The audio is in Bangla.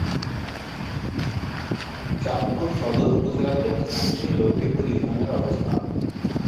চাঁদপুর সদর উপজেলার দক্ষিণাংশে লক্ষ্মীপুর ইউনিয়নের অবস্থান।